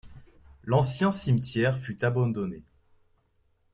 L'ancien cimetière fut abandonné.